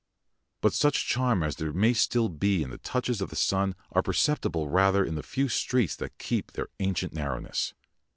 But such charm as there may still be in the touches of the sun are perceptible rather in the few streets that keep their ancient narrowness.